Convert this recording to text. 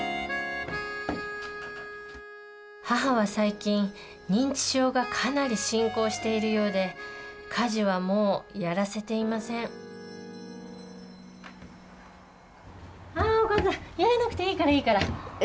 母は最近認知症がかなり進行しているようで家事はもうやらせていませんあお母さんやらなくていいからいいから。え。